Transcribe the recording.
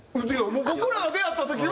僕らが出会った時は。